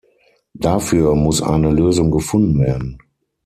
Dafür muss eine Lösung gefunden werden.